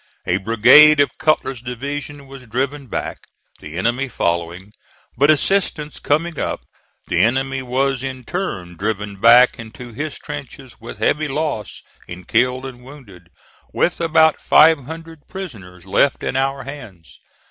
A brigade of Cutler's division was driven back, the enemy following, but assistance coming up the enemy was in turn driven back into his trenches with heavy loss in killed and wounded, with about five hundred prisoners left in our hands.